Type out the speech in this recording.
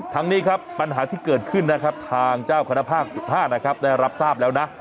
ทั้งนี้ครับปัญหาที่เกิดขึ้นนะครับทางเจ้าคณะภาค๑๕นะครับได้รับทราบแล้วนะ